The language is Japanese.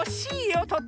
とっても。